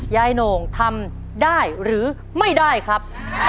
โหน่งทำได้หรือไม่ได้ครับ